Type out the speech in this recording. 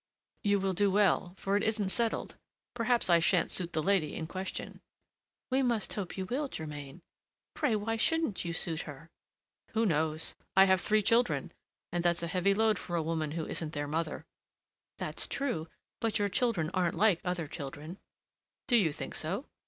"You will do well, for it isn't settled; perhaps I shan't suit the lady in question." "We must hope you will, Germain. Pray, why shouldn't you suit her?" "Who knows? I have three children, and that's a heavy load for a woman who isn't their mother!" "That's true; but your children aren't like other children." "Do you think so?"